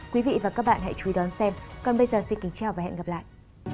quý vị và các bạn hãy chú ý đón xem còn bây giờ xin kính chào và hẹn gặp lại